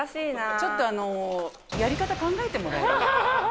ちょっとやり方考えてもらえる？